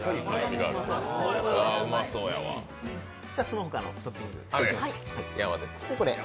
その他のトッピングしていきます。